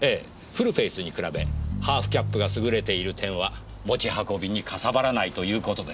フルフェースに比べハーフキャップが優れている点は持ち運びにかさばらないという事です。